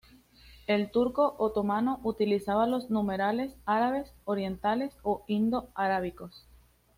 El turco otomano utilizaba los numerales árabes orientales o indo-arábigos.